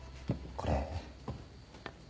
これ。